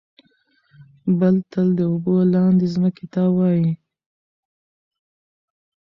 بل تل د اوبو لاندې ځمکې ته وايي.